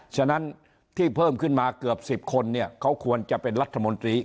ฉะนั้นที่เพิ่มขึ้นมาเกือบ๑๐คนเนี่ยเขาควรจะเป็นรัฐมนตรี